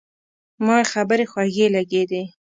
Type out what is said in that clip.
ما یې خبرې خوږې لګېدې.